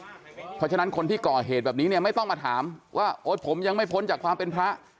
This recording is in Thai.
เพราะฉะนั้นคนที่ก่อเหตุแบบนี้เนี่ยไม่ต้องมาถามว่าโอ๊ยผมยังไม่พ้นจากความเป็นพระ